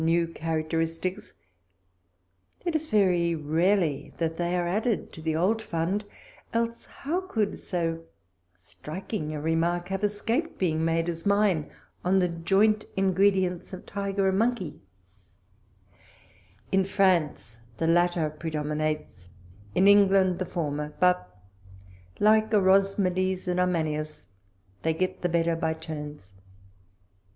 149 new characteristics, it is very rarely that they are added to the old fund ; else how could so striking a remark have escaped being made, as mine, on the joint ingredients of tiger and mon key I In France the latter predommates, in England the former ; but, like Orozmades and Arimanius, they get the better by turns.